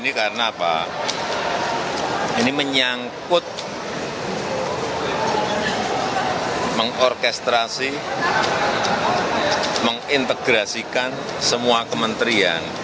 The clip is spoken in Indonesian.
ini menyangkut mengorkestrasi mengintegrasikan semua kementerian